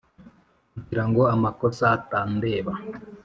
kugirango amakosa atandeba